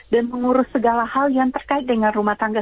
dan mengurus segala hal yang terkait dengan rumah tangga